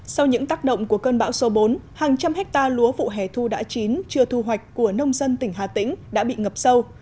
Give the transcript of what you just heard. sau những tác động của cơn bão số bốn hàng trăm hectare lúa vụ hẻ thu đã chín chưa thu hoạch của nông dân tỉnh hà tĩnh đã bị ngập sâu